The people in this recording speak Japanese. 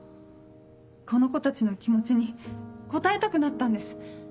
この子たちの気持ちに応えたくなったんです。